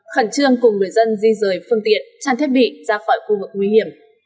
khẩn trương cùng người dân di rời phương tiện trang thiết bị ra khỏi khu vực nguy hiểm